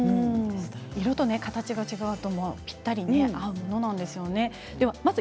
色と形が違うとぴったり合うものなんですね。